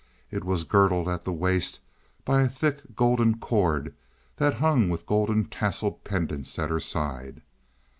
It was girdled at the waist by a thick golden cord that hung with golden tasseled pendants at her side.